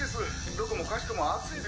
どこもかしこも暑いです